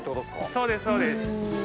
そうですそうです。